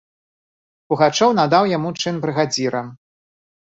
Пугачоў надаў яму чын брыгадзіра.